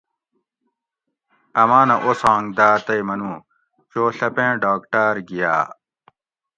"امانہ اوسانگ داۤ تئی منو ""چو ڷپیں ڈاکٹاۤر گھیاۤ"""